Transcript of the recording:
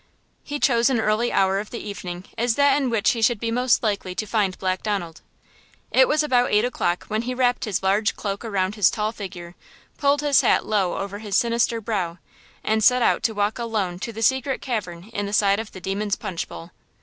He chose an early hour of the evening as that in which he should be most likely to find Black Donald. It was about eight o'clock when he wrapped his large cloak around his tall figure, pulled his hat low over his sinister brow and set out to walk alone to the secret cavern in the side of the Demon's Punch Bowl.